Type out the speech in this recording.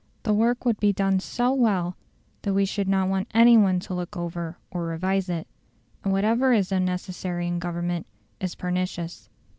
The work would be done so well that we should not want any one to look over or revise it. And whatever is unnecessary in Government is pernicious.